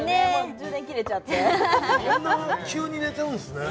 充電切れちゃってそんな急に寝ちゃうんですね